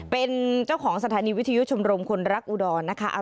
เป็นเจ้าของสถานีวิทยุชมรมคนรักอุดรนะคะ